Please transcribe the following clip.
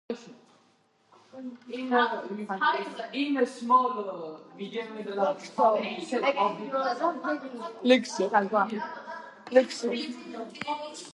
ასეთი ორნამენტი თბილისური სკოლისათვის არის დამახასიათებელი.